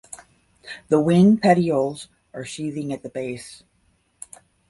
The winged petioles are sheathing at the base.